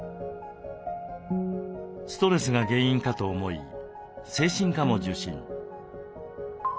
ストレスが原因かと思い精神科も受診。